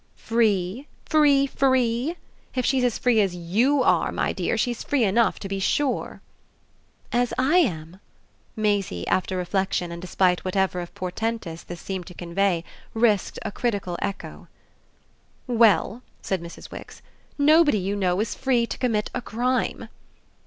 "Free, free, free? If she's as free as YOU are, my dear, she's free enough, to be sure!" "As I am?" Maisie, after reflexion and despite whatever of portentous this seemed to convey, risked a critical echo. "Well," said Mrs. Wix, "nobody, you know, is free to commit a crime."